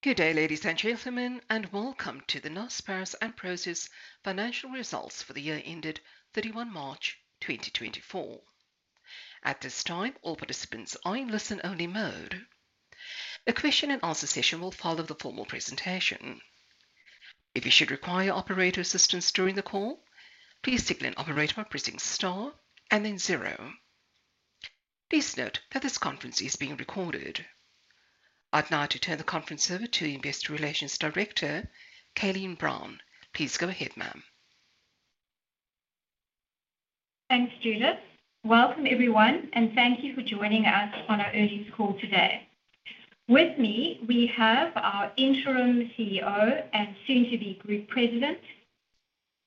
Good day, ladies and gentlemen, and welcome to the Naspers and Prosus financial results for the year ended 31 March 2024. At this time, all participants are in listen-only mode. A Q&A session will follow the formal presentation. If you should require operator assistance during the call, please signal an operator by pressing star and then zero. Please note that this conference is being recorded. I'd now like to turn the conference over to the Investor Relations Director, Kayleen Brown. Please go ahead, ma'am. Thanks, Judith. Welcome, everyone, and thank you for joining us on our earnings call today. With me, we have our interim CEO and soon-to-be group president,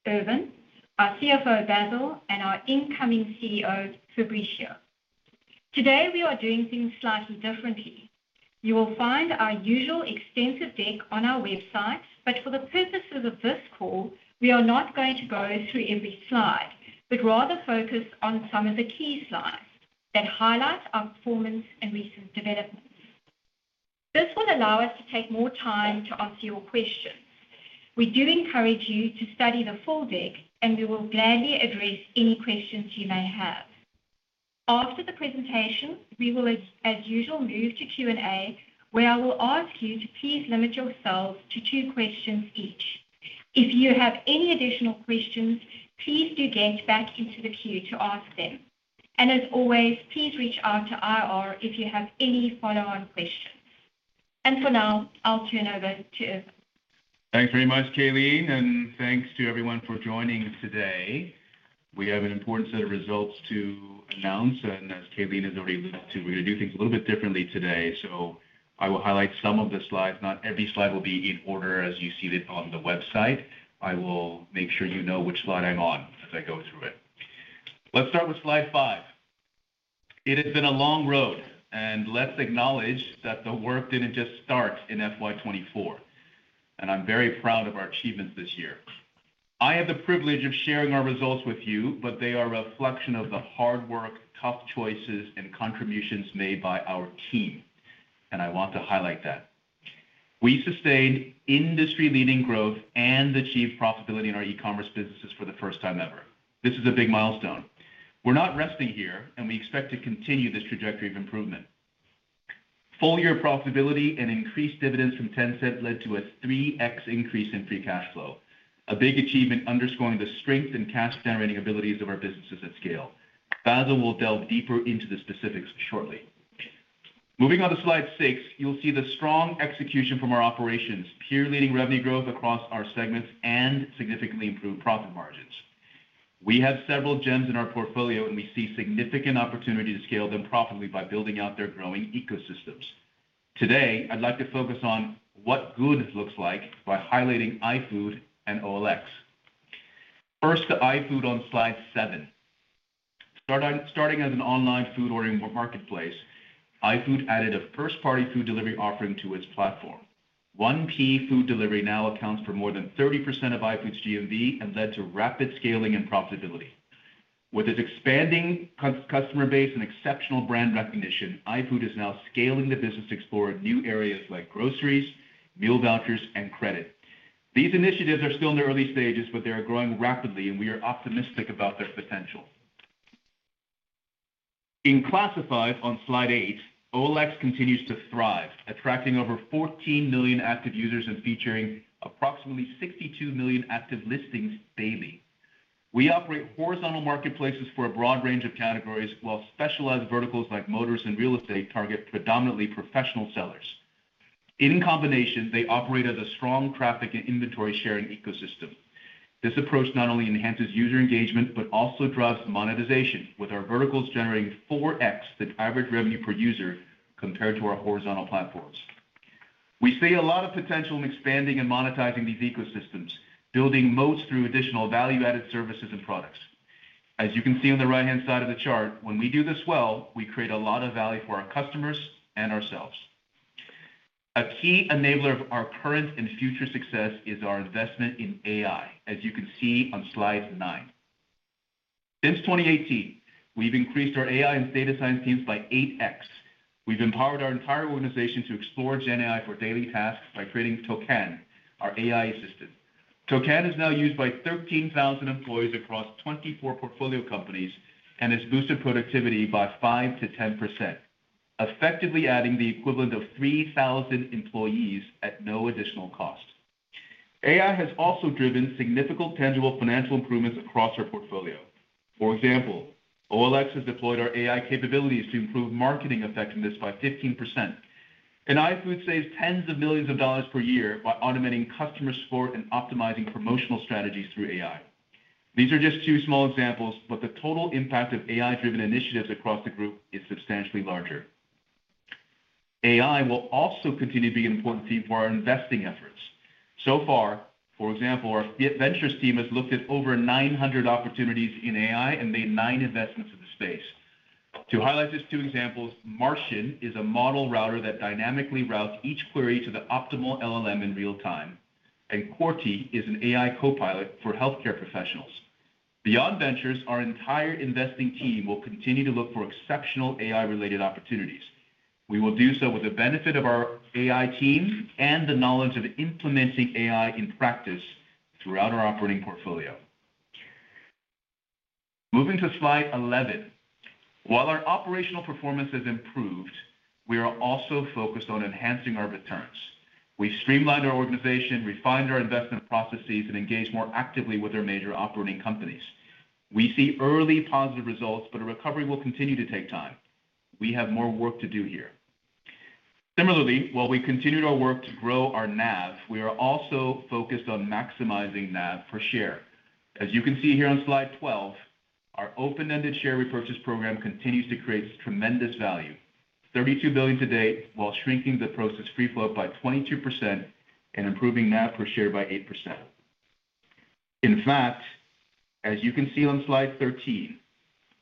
Ervin, our CFO, Basil, and our incoming CEO, Fabricio. Today, we are doing things slightly differently. You will find our usual extensive deck on our website, but for the purposes of this call, we are not going to go through every slide, but rather focus on some of the key slides that highlight our performance and recent developments. This will allow us to take more time to answer your questions. We do encourage you to study the full deck, and we will gladly address any questions you may have. After the presentation, we will, as usual, move to Q&A, where I will ask you to please limit yourselves to two questions each. If you have any additional questions, please do get back into the queue to ask them. As always, please reach out to IR if you have any follow-on questions. For now, I'll turn over to Ervin. Thanks very much, Kayleen, and thanks to everyone for joining today. We have an important set of results to announce, and as Kayleen has already mentioned, we're gonna do things a little bit differently today. So I will highlight some of the slides. Not every slide will be in order as you see it on the website. I will make sure you know which slide I'm on as I go through it. Let's start with slide 5. It has been a long road, and let's acknowledge that the work didn't just start in FY 2024, and I'm very proud of our achievements this year. I have the privilege of sharing our results with you, but they are a reflection of the hard work, tough choices, and contributions made by our team, and I want to highlight that. We sustained industry-leading growth and achieved profitability in our e-commerce businesses for the first time ever. This is a big milestone. We're not resting here, and we expect to continue this trajectory of improvement. Full year profitability and increased dividends from Tencent led to a 3x increase in free cash flow, a big achievement underscoring the strength and cash-generating abilities of our businesses at scale. Basil will delve deeper into the specifics shortly. Moving on to slide 6, you'll see the strong execution from our operations, peer-leading revenue growth across our segments, and significantly improved profit margins. We have several gems in our portfolio, and we see significant opportunity to scale them profitably by building out their growing ecosystems. Today, I'd like to focus on what good looks like by highlighting iFood and OLX. First, to iFood on slide 7. Starting as an online food ordering marketplace, iFood added a first-party food delivery offering to its platform. 1P food delivery now accounts for more than 30% of iFood's GMV and led to rapid scaling and profitability. With its expanding customer base and exceptional brand recognition, iFood is now scaling the business to explore new areas like groceries, meal vouchers, and credit. These initiatives are still in the early stages, but they are growing rapidly, and we are optimistic about their potential. In classified on Slide 8, OLX continues to thrive, attracting over 14 million active users and featuring approximately 62 million active listings daily. We operate horizontal marketplaces for a broad range of categories, while specialized verticals like motors and real estate target predominantly professional sellers. In combination, they operate as a strong traffic and inventory-sharing ecosystem. This approach not only enhances user engagement, but also drives monetization, with our verticals generating 4x the average revenue per user compared to our horizontal platforms. We see a lot of potential in expanding and monetizing these ecosystems, building moats through additional value-added services and products. As you can see on the right-hand side of the chart, when we do this well, we create a lot of value for our customers and ourselves. A key enabler of our current and future success is our investment in AI, as you can see on slide 9. Since 2018, we've increased our AI and data science teams by 8x. We've empowered our entire organization to explore GenAI for daily tasks by creating Toqan, our AI assistant. Toqan is now used by 13,000 employees across 24 portfolio companies and has boosted productivity by 5%-10%, effectively adding the equivalent of 3,000 employees at no additional cost. AI has also driven significant tangible financial improvements across our portfolio. For example, OLX has deployed our AI capabilities to improve marketing effectiveness by 15%, and iFood saves $10s of millions per year by automating customer support and optimizing promotional strategies through AI. These are just two small examples, but the total impact of AI-driven initiatives across the group is substantially larger. AI will also continue to be an important theme for our investing efforts. So far, for example, our ventures team has looked at over 900 opportunities in AI and made nine investments in the space. To highlight just two examples, Martian is a model router that dynamically routes each query to the optimal LLM in real time, and Corti is an AI copilot for healthcare professionals. Beyond ventures, our entire investing team will continue to look for exceptional AI-related opportunities. We will do so with the benefit of our AI team and the knowledge of implementing AI in practice throughout our operating portfolio. Moving to slide 11. While our operational performance has improved, we are also focused on enhancing our returns. We streamlined our organization, refined our investment processes, and engaged more actively with our major operating companies. We see early positive results, but a recovery will continue to take time. We have more work to do here. Similarly, while we continued our work to grow our NAV, we are also focused on maximizing NAV per share. As you can see here on slide 12, our open-ended share repurchase program continues to create tremendous value, $32 billion to date, while shrinking the Prosus free float by 22% and improving NAV per share by 8%. In fact, as you can see on slide 13,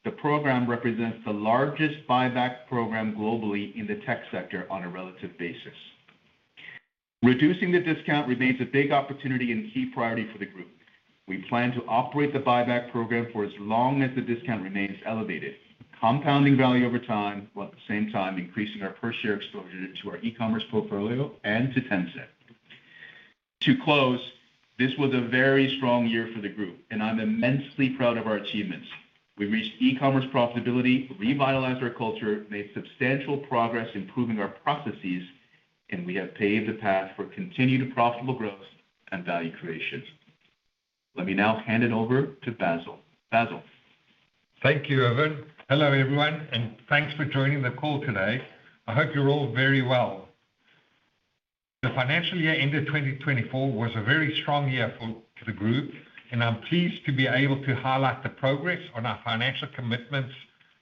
the program represents the largest buyback program globally in the tech sector on a relative basis. Reducing the discount remains a big opportunity and key priority for the group. We plan to operate the buyback program for as long as the discount remains elevated, compounding value over time, while at the same time increasing our per share exposure to our e-commerce portfolio and to Tencent. To close, this was a very strong year for the group, and I'm immensely proud of our achievements. We've reached e-commerce profitability, revitalized our culture, made substantial progress improving our processes, and we have paved the path for continued profitable growth and value creation. Let me now hand it over to Basil. Basil? Thank you, Ervin. Hello, everyone, and thanks for joining the call today. I hope you're all very well. The financial year ended 2024 was a very strong year for the group, and I'm pleased to be able to highlight the progress on our financial commitments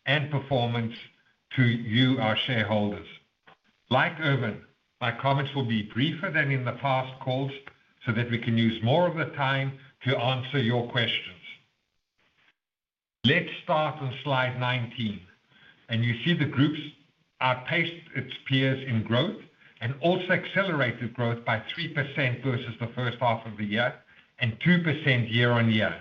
and performance to you, our shareholders. Like Ervin, my comments will be briefer than in the past calls so that we can use more of the time to answer your questions. Let's start on slide 19, and you see the group's outpaced its peers in growth and also accelerated growth by 3% versus the first half of the year and 2% year-on-year.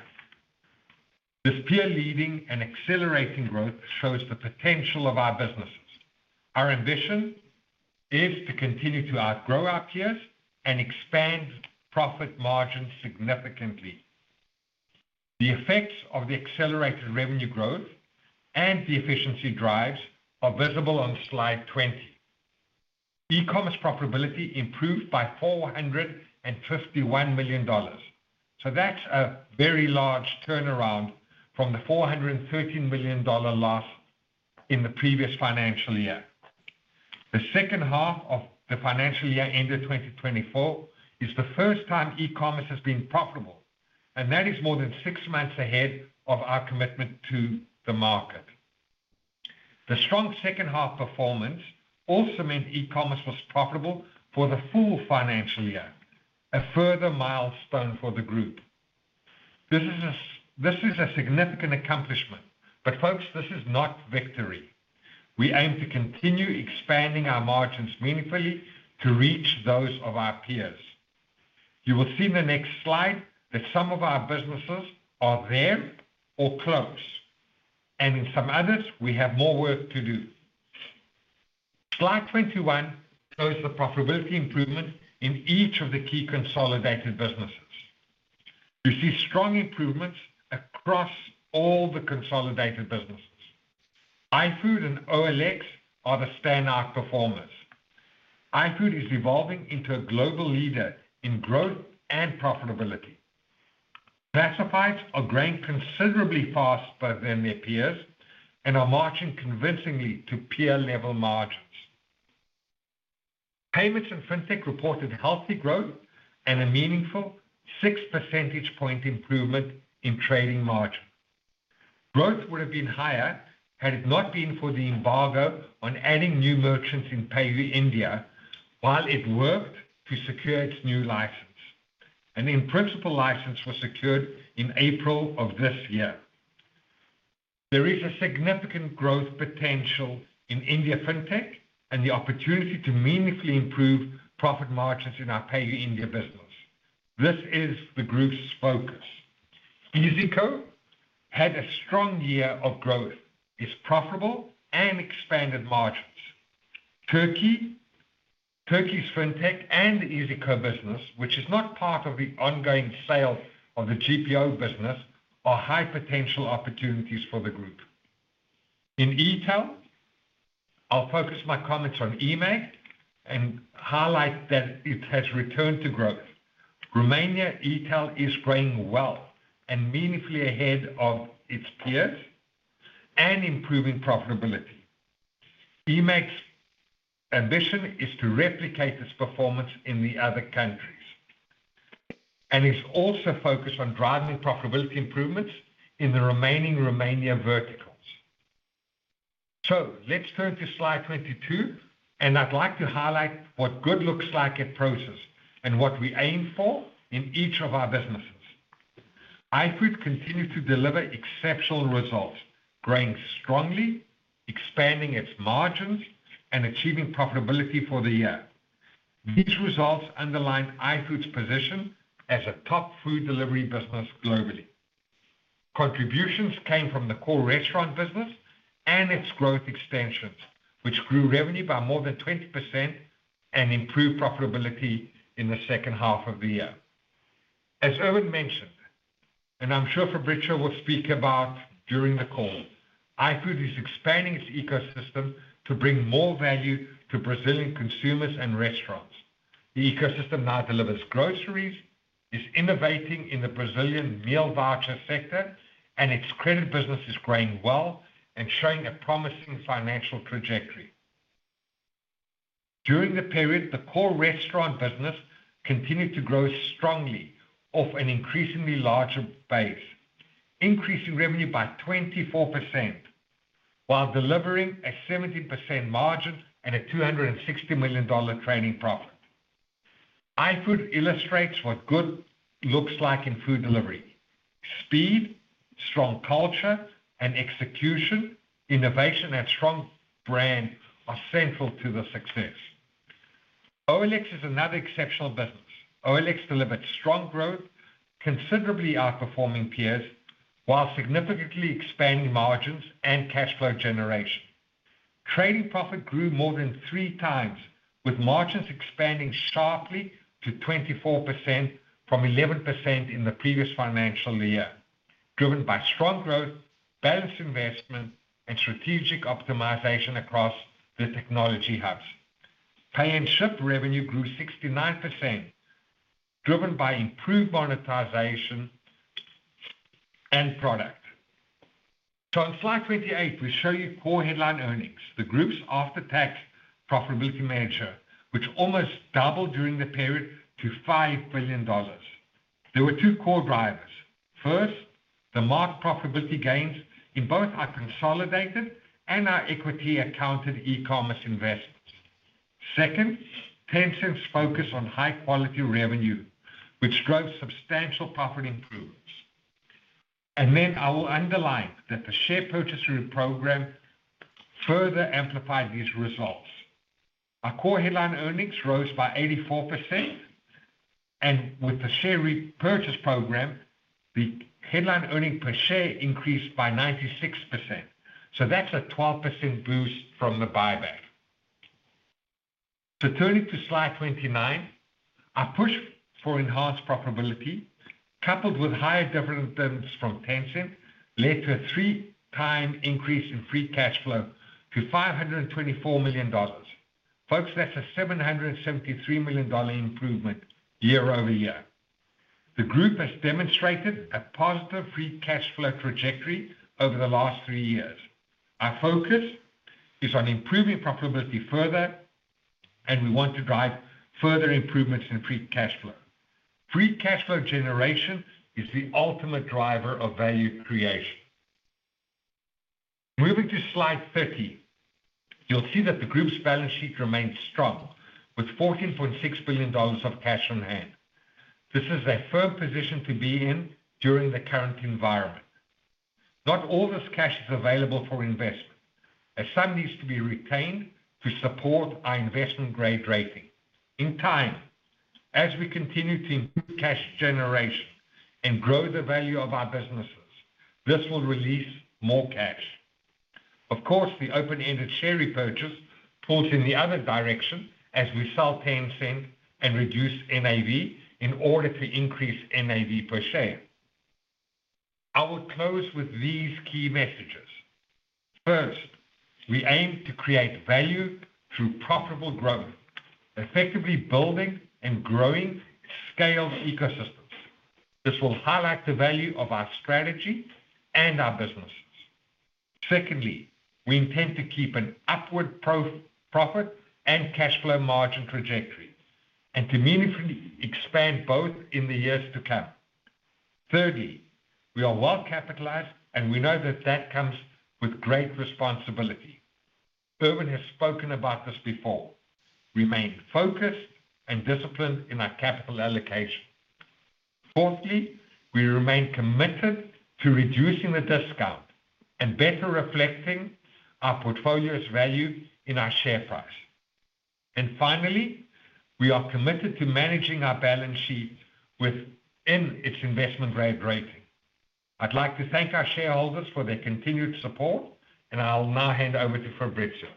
This peer-leading and accelerating growth shows the potential of our businesses. Our ambition is to continue to outgrow our peers and expand profit margins significantly. The effects of the accelerated revenue growth and the efficiency drives are visible on slide 20. E-commerce profitability improved by $451 million. So that's a very large turnaround from the $413 million loss in the previous financial year. The second half of the financial year ended 2024 is the first time e-commerce has been profitable, and that is more than six months ahead of our commitment to the market. The strong second half performance also meant e-commerce was profitable for the full financial year, a further milestone for the group. This is a, this is a significant accomplishment, but, folks, this is not victory. We aim to continue expanding our margins meaningfully to reach those of our peers. You will see in the next slide that some of our businesses are there or close, and in some others, we have more work to do. Slide 21 shows the profitability improvement in each of the key consolidated businesses. You see strong improvements across all the consolidated businesses. iFood and OLX are the standout performers. iFood is evolving into a global leader in growth and profitability. Classifieds are growing considerably faster than their peers and are marching convincingly to peer-level margins. Payments and Fintech reported healthy growth and a meaningful 6 percentage point improvement in trading margin. Growth would have been higher had it not been for the embargo on adding new merchants in PayU India, while it worked to secure its new license. An in principle license was secured in April of this year. There is a significant growth potential in India Fintech and the opportunity to meaningfully improve profit margins in our PayU India business. This is the group's focus. Iyzico had a strong year of growth, is profitable, and expanded margins. Turkey, Turkey's Fintech and Iyzico business, which is not part of the ongoing sale of the GPO business, are high-potential opportunities for the group. In e-tail, I'll focus my comments on eMAG and highlight that it has returned to growth. Romania e-tail is growing well and meaningfully ahead of its peers and improving profitability. eMAG's ambition is to replicate its performance in the other countries, and it's also focused on driving profitability improvements in the remaining Romania verticals. So let's turn to slide 22, and I'd like to highlight what good looks like at Prosus and what we aim for in each of our businesses. iFood continued to deliver exceptional results, growing strongly, expanding its margins, and achieving profitability for the year.... These results underline iFood's position as a top food delivery business globally. Contributions came from the core restaurant business and its growth extensions, which grew revenue by more than 20% and improved profitability in the second half of the year. As Ervin mentioned, and I'm sure Fabricio will speak about during the call, iFood is expanding its ecosystem to bring more value to Brazilian consumers and restaurants. The ecosystem now delivers groceries, is innovating in the Brazilian meal voucher sector, and its credit business is growing well and showing a promising financial trajectory. During the period, the core restaurant business continued to grow strongly off an increasingly larger base, increasing revenue by 24%, while delivering a 70% margin and a $260 million trading profit. iFood illustrates what good looks like in food delivery. Speed, strong culture, and execution, innovation, and strong brand are central to the success. OLX is another exceptional business. OLX delivers strong growth, considerably outperforming peers, while significantly expanding margins and cash flow generation. Trading profit grew more than 3x, with margins expanding sharply to 24% from 11% in the previous financial year, driven by strong growth, balanced investment, and strategic optimization across the technology hubs. Pay & Ship revenue grew 69%, driven by improved monetization and product. So on slide 28, we show you core headline earnings, the group's after-tax profitability measure, which almost doubled during the period to $5 billion. There were two core drivers. First, the marked profitability gains in both our consolidated and our equity accounted e-commerce investments. Second, Tencent's focus on high quality revenue, which drove substantial profit improvements. Then I will underline that the share purchase through the program further amplified these results. Our core headline earnings rose by 84%, and with the share repurchase program, the headline earnings per share increased by 96%. That's a 12% boost from the buyback. Turning to slide 29, our push for enhanced profitability, coupled with higher dividend terms from Tencent, led to a 3x increase in free cash flow to $524 million. Folks, that's a $773 million improvement year-over-year. The group has demonstrated a positive free cash flow trajectory over the last three years. Our focus is on improving profitability further, and we want to drive further improvements in free cash flow. Free cash flow generation is the ultimate driver of value creation. Moving to slide 30, you'll see that the group's balance sheet remains strong, with $14.6 billion of cash on hand. This is a firm position to be in during the current environment. Not all this cash is available for investment, as some needs to be retained to support our investment-grade rating. In time, as we continue to improve cash generation and grow the value of our businesses, this will release more cash. Of course, the open-ended share repurchase pulls in the other direction as we sell Tencent and reduce NAV in order to increase NAV per share. I will close with these key messages. First, we aim to create value through profitable growth, effectively building and growing scale ecosystems. This will highlight the value of our strategy and our businesses. Secondly, we intend to keep an upward profit and cash flow margin trajectory, and to meaningfully expand both in the years to come. Thirdly, we are well capitalized, and we know that that comes with great responsibility. Ervin has spoken about this before. Remain focused and disciplined in our capital allocation. Fourthly, we remain committed to reducing the discount and better reflecting our portfolio's value in our share price. And finally, we are committed to managing our balance sheet within its investment-grade rating. I'd like to thank our shareholders for their continued support, and I'll now hand over to Fabricio.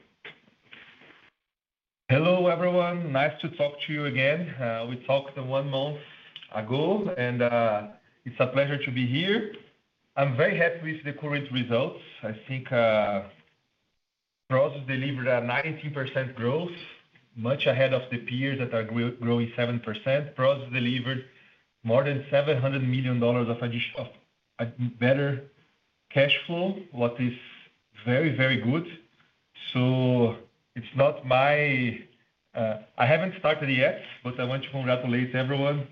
Hello, everyone. Nice to talk to you again. We talked one month ago, and it's a pleasure to be here. I'm very happy with the current results. I think Prosus delivered a 19% growth, much ahead of the peers that are growing 7%. Prosus delivered more than $700 million of a better cash flow, what is very, very good. So it's not my... I haven't started yet, but I want to congratulate everyone,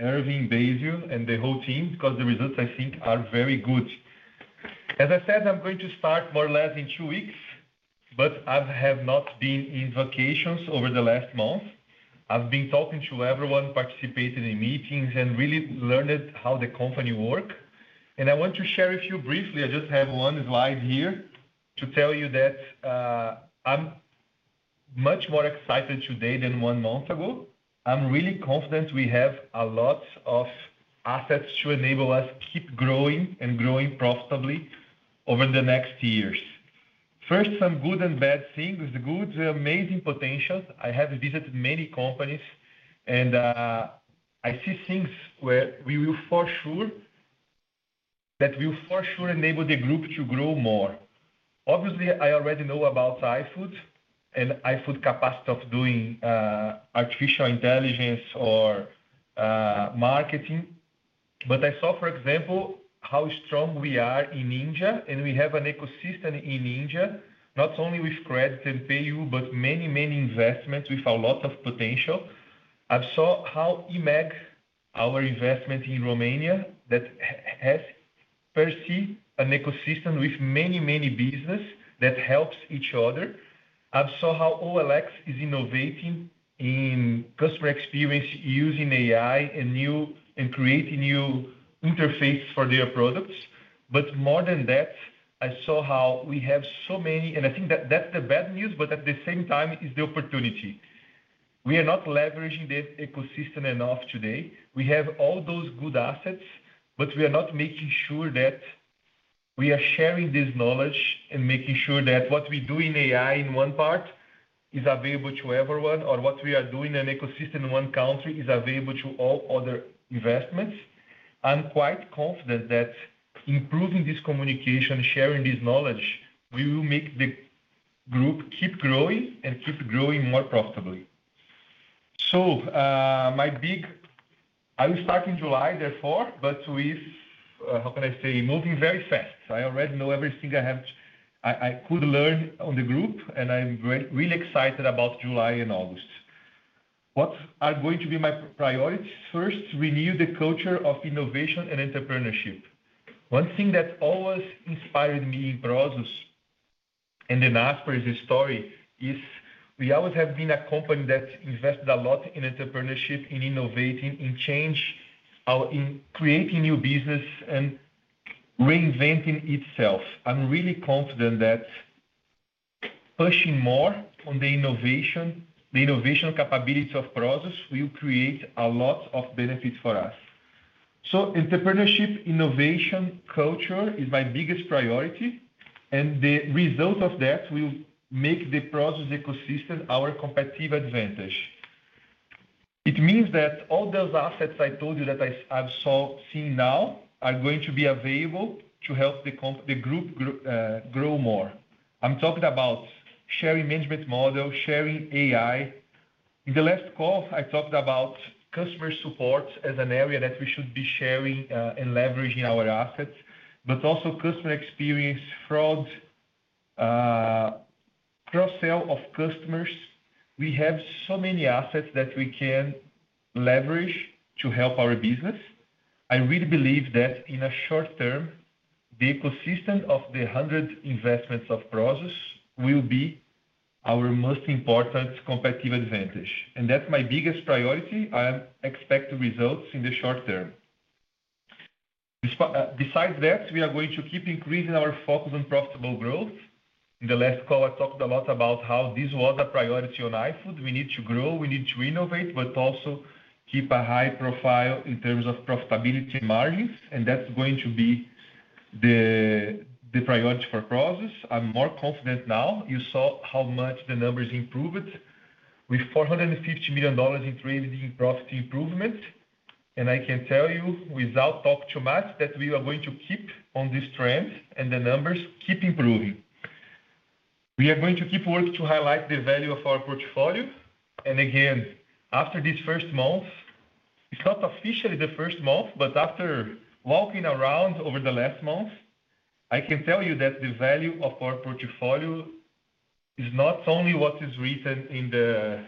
Ervin Tu and the whole team, because the results, I think, are very good. As I said, I'm going to start more or less in two weeks, but I have not been in vacations over the last month. I've been talking to everyone, participating in meetings, and really learned how the company work. I want to share with you briefly. I just have one slide here to tell you that, I'm much more excited today than one month ago. I'm really confident we have a lot of assets to enable us to keep growing and growing profitably over the next years. First, some good and bad things. The good, amazing potentials. I have visited many companies and, I see things where we will for sure, that will for sure enable the group to grow more. Obviously, I already know about iFood and iFood capacity of doing artificial intelligence or marketing. But I saw, for example, how strong we are in India, and we have an ecosystem in India, not only with CRED and PayU, but many investments with a lot of potential. I've seen how eMAG, our investment in Romania, has per se an ecosystem with many, many businesses that help each other. I've seen how OLX is innovating in customer experience, using AI and new and creating new interfaces for their products. But more than that, I saw how we have so many. And I think that's the bad news, but at the same time, it's the opportunity. We are not leveraging the ecosystem enough today. We have all those good assets, but we are not making sure that we are sharing this knowledge and making sure that what we do in AI in one part is available to everyone, or what we are doing in ecosystem in one country is available to all other investments. I'm quite confident that improving this communication, sharing this knowledge, we will make the group keep growing and keep growing more profitably. So, I will start in July, therefore, but with, how can I say? Moving very fast. I already know everything I could learn on the group, and I'm very, really excited about July and August. What are going to be my priorities? First, renew the culture of innovation and entrepreneurship. One thing that always inspired me in Prosus and in Naspers's story, is we always have been a company that invested a lot in entrepreneurship, in innovating, in change, in creating new business and reinventing itself. I'm really confident that pushing more on the innovation, the innovation capability of Prosus will create a lot of benefits for us. So entrepreneurship, innovation, culture is my biggest priority, and the result of that will make the Prosus ecosystem our competitive advantage. It means that all those assets I told you that I've seen now are going to be available to help the group grow more. I'm talking about sharing management model, sharing AI. In the last call, I talked about customer support as an area that we should be sharing and leveraging our assets, but also customer experience, fraud, cross-sale of customers. We have so many assets that we can leverage to help our business. I really believe that in a short term, the ecosystem of the 100 investments of Prosus will be our most important competitive advantage, and that's my biggest priority. I expect results in the short term. Besides that, we are going to keep increasing our focus on profitable growth. In the last call, I talked a lot about how this was a priority on iFood. We need to grow, we need to innovate, but also keep a high profile in terms of profitability margins, and that's going to be the priority for Prosus. I'm more confident now. You saw how much the numbers improved with $450 million in trading and profit improvement. And I can tell you, without talk too much, that we are going to keep on this trend and the numbers keep improving. We are going to keep working to highlight the value of our portfolio. And again, after this first month, it's not officially the first month, but after walking around over the last month, I can tell you that the value of our portfolio is not only what is written in the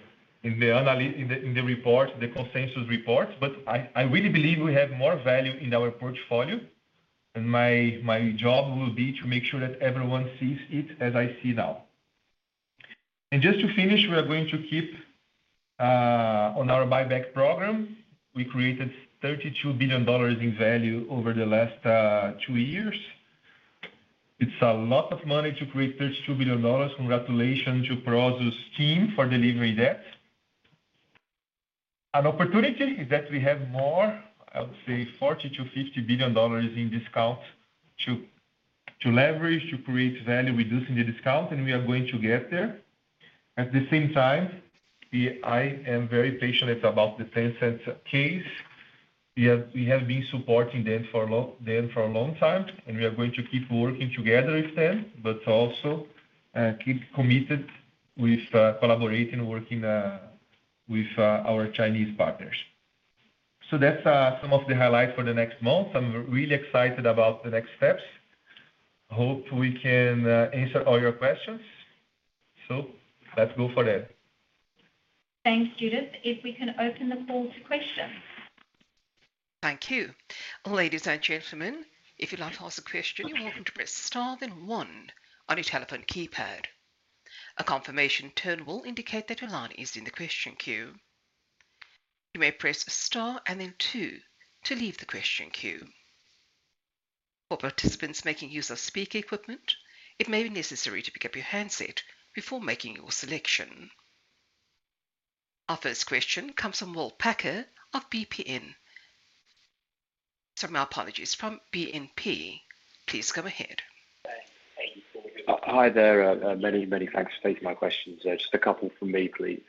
analyst report, the consensus report, but I really believe we have more value in our portfolio, and my job will be to make sure that everyone sees it as I see now. And just to finish, we are going to keep on our buyback program. We created $32 billion in value over the last two years. It's a lot of money to create $32 billion. Congratulations to Prosus team for delivering that. An opportunity is that we have more, I would say, $40 billion-$50 billion in discount to leverage to create value, reducing the discount, and we are going to get there. At the same time, we... I am very patient about the Tencent case. We have, we have been supporting them for a long, them for a long time, and we are going to keep working together with them, but also keep committed with collaborating, working with our Chinese partners. So that's some of the highlights for the next month. I'm really excited about the next steps. Hope we can answer all your questions, so let's go for it. Thanks, Judith. If we can open the floor to questions. Thank you. Ladies and gentlemen, if you'd like to ask a question, you're welcome to press star then one on your telephone keypad. A confirmation tone will indicate that your line is in the question queue. You may press star and then two to leave the question queue. For participants making use of speaker equipment, it may be necessary to pick up your handset before making your selection. Our first question comes from Will Packer of BPN. So my apologies, from BNP. Please go ahead. Hi there. Many, thanks for taking my questions. Just a couple from me, please.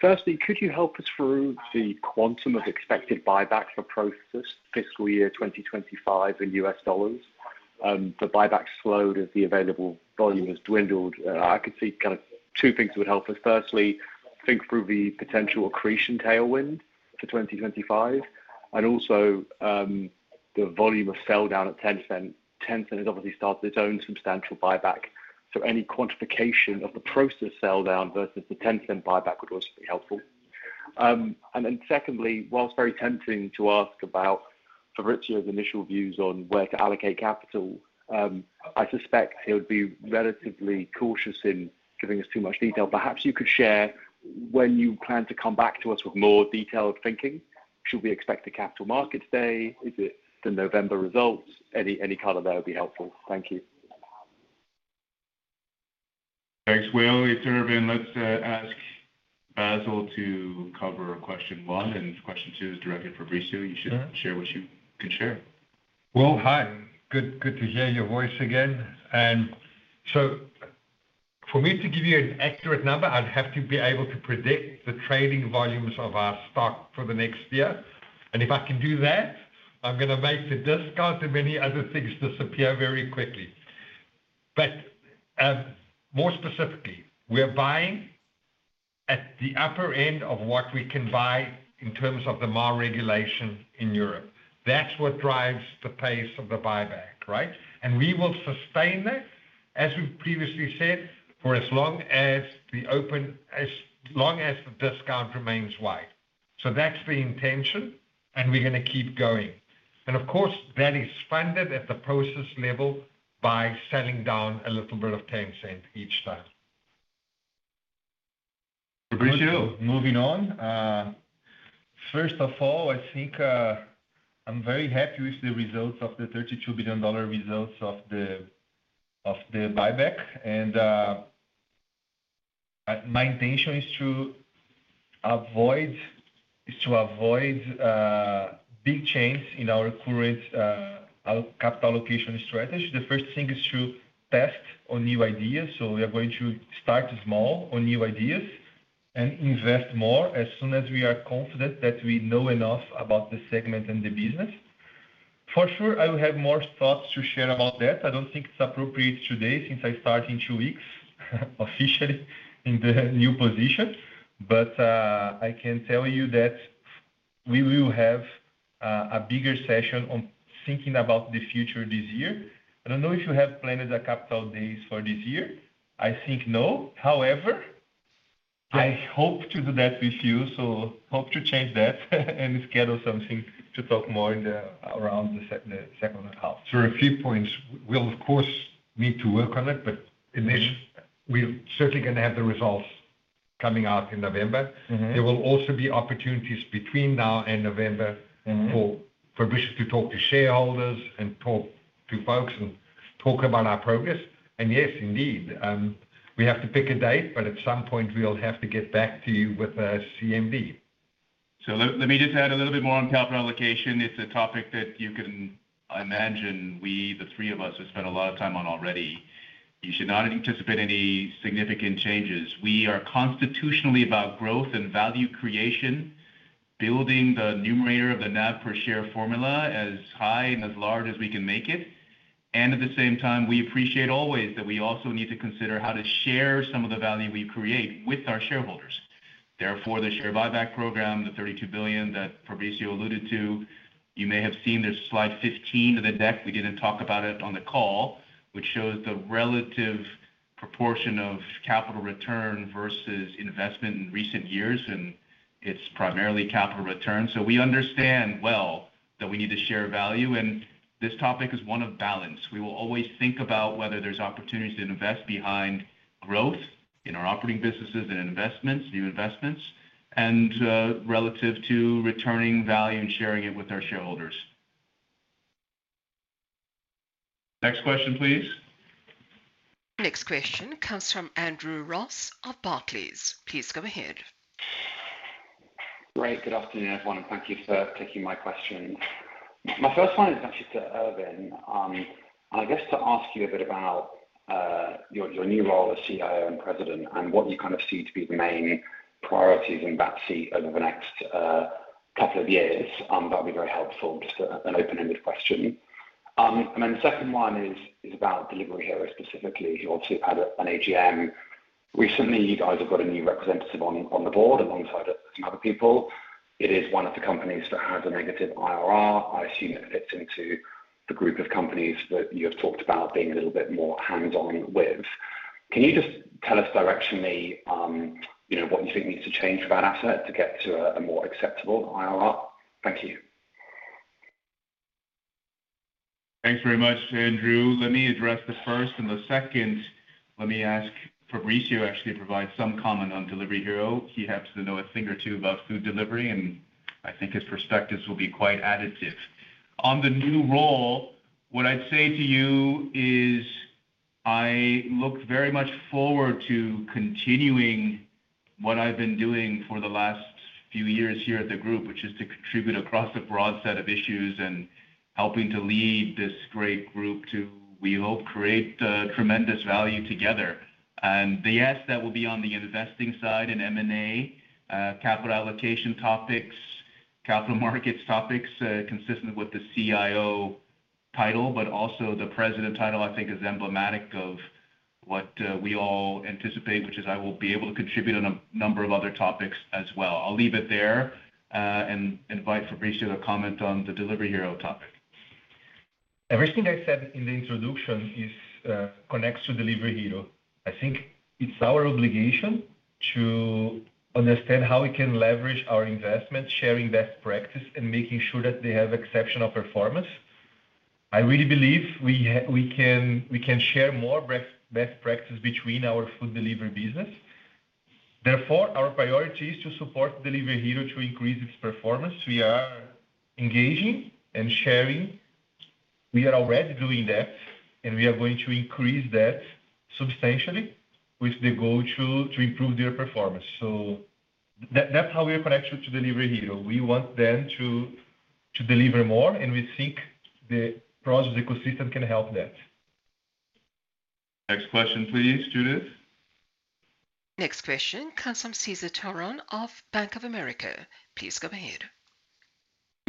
Firstly, could you help us through the quantum of expected buyback for Prosus fiscal year 2025 in US dollars? The buyback slowed as the available volume has dwindled. I could see kind of two things would help us. Firstly, think through the potential accretion tailwind for 2025, and also, the volume of sell-down at Tencent. Tencent has obviously started its own substantial buyback, so any quantification of the Prosus sell-down versus the Tencent buyback would also be helpful. And then secondly, whilst very tempting to ask about Fabricio's initial views on where to allocate capital, I suspect he would be relatively cautious in giving us too much detail. Perhaps you could share when you plan to come back to us with more detailed thinking. Should we expect a capital markets day? Is it the November results? Any color there would be helpful. Thank you. Thanks, Will it's Ervin. Let's ask Basil to cover question one, and question two is directed Fabricio. You should share what you can share. Well, hi. Good, to hear your voice again. So for me to give you an accurate number, I'd have to be able to predict the trading volumes of our stock for the next year. And if I can do that, I'm gonna make the discount, and many other things disappear very quickly. But, more specifically, we are buying at the upper end of what we can buy in terms of the MAR regulation in Europe. That's what drives the pace of the buyback, right? And we will sustain that, as we've previously said, for as long as the discount remains wide. So that's the intention, and we're gonna keep going. And of course, that is funded at the Prosus level by selling down a little bit of Tencent each time. Fabrizo. Moving on. First of all, I think, I'm very happy with the results of the $32 billion buyback. And, my intention is to avoid, is to avoid, big changes in our current, our capital allocation strategy. The first thing is to test on new ideas. So we are going to start small on new ideas and invest more as soon as we are confident that we know enough about the segment and the business. For sure, I will have more thoughts to share about that. I don't think it's appropriate today since I start in two weeks, officially in the new position, but, I can tell you that we will have, a bigger session on thinking about the future this year. I don't know if you have planned a capital markets day for this year. I think no. However, I hope to do that with you, so hope to change that and schedule something to talk more in the second half. A few points. We'll, of course, need to work on it, but initially, we're certainly gonna have the results coming out in November. Mm-hmm. There will also be opportunities between now and November. Mm-hmm And for Fabricio to talk to shareholders and talk to folks and talk about our progress. And yes, indeed, we have to pick a date, but at some point we'll have to get back to you with a CMD. So let me just add a little bit more on capital allocation. It's a topic that you can imagine, we, the three of us, have spent a lot of time on already. You should not anticipate any significant changes. We are constitutionally about growth and value creation, building the numerator of the NAV per share formula as high and as large as we can make it. And at the same time, we appreciate always that we also need to consider how to share some of the value we create with our shareholders. Therefore, the share buyback program, the $32 billion that Fabricio alluded to, you may have seen there's slide 15 of the deck. We didn't talk about it on the call, which shows the relative proportion of capital return versus investment in recent years, and it's primarily capital return. So we understand well that we need to share value, and this topic is one of balance. We will always think about whether there's opportunities to invest behind growth in our operating businesses and investments, new investments, and relative to returning value and sharing it with our shareholders. Next question, please. Next question comes from Andrew Ross of Barclays. Please go ahead. Great. Good afternoon, everyone, and thank you for taking my questions. My first one is actually to Ervin. I guess to ask you a bit about your new role as CIO and President, and what you kind of see to be the main priorities in Prosus over the next couple of years, that'd be very helpful. Just an open-ended question. And then the second one is about Delivery Hero, specifically, who also had an AGM recently. You guys have got a new representative on the board alongside some other people. It is one of the companies that has a negative IRR. I assume it fits into the group of companies that you have talked about being a little bit more hands-on with. Can you just tell us directionally, you know, what you think needs to change for that asset to get to a more acceptable IRR? Thank you. Thanks very much, Andrew. Let me address the first and the second. Let me ask Fabricio, actually, to provide some comment on Delivery Hero. He happens to know a thing or two about food delivery, and I think his perspectives will be quite additive. On the new role, what I'd say to you is, I look very much forward to continuing what I've been doing for the last few years here at the group, which is to contribute across a broad set of issues and helping to lead this great group to, we hope, create tremendous value together. And yes, that will be on the investing side in M&A, capital allocation topics, capital markets topics, consistent with the CIO title, but also the president title, I think is emblematic of what, we all anticipate, which is I will be able to contribute on a number of other topics as well. I'll leave it there, and invite Fabricio to comment on the Delivery Hero topic. Everything I said in the introduction connects to Delivery Hero. I think it's our obligation to understand how we can leverage our investment, sharing best practice, and making sure that they have exceptional performance. I really believe we can, we can share more best practices between our food delivery business. Therefore, our priority is to support Delivery Hero to increase its performance. We are engaging and sharing. We are already doing that, and we are going to increase that substantially with the goal to improve their performance. So that's how we are connected to Delivery Hero. We want them to deliver more, and we think the Prosus ecosystem can help that. Next question, please, Judith. Next question, Cesar Tiron of Bank of America. Please go ahead.